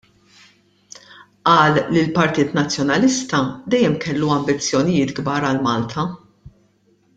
Qal li l-Partit Nazzjonalista dejjem kellu ambizzjonijiet kbar għal Malta.